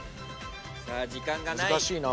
さあ時間がない。